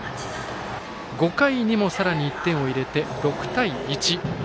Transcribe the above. ５回にもさらに１点を入れて６対１。